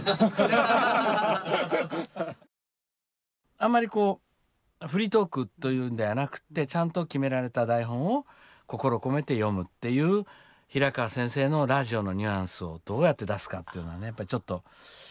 あんまりこうフリートークというんではなくってちゃんと決められた台本を心込めて読むっていう平川先生のラジオのニュアンスをどうやって出すかっていうのはねやっぱちょっと。